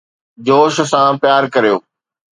جوش سان پيار ڪريو